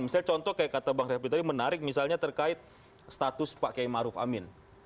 misalnya contoh kata bang riafi tadi menarik misalnya terkait status pak k maruf amin